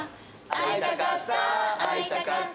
「会いたかった会いたかった」